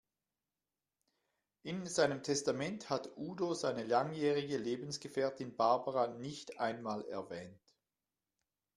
In seinem Testament hat Udo seine langjährige Lebensgefährtin Barbara nicht einmal erwähnt.